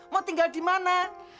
mau tinggal di mana